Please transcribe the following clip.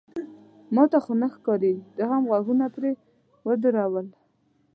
ما ته خو نه ښکاري، ده هم غوږونه پرې ودرول.